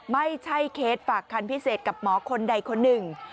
เคสฝากคันพิเศษกับหมอคนใดคนหนึ่ง